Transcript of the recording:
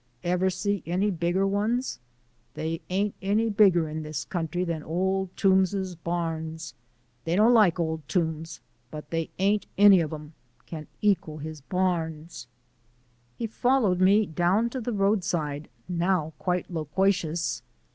Ever see any bigger ones? They ain't any bigger in this country than Old Toombs's barns. They don't like Old Toombs, but they ain't any of one of 'em can ekal his barns!" He followed me down to the roadside now quite loquacious.